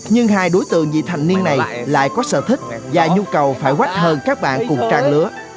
nhưng hai đối tượng vị thành niên này lại có sở thích và nhu cầu phải quách hơn các bạn cùng trang lứa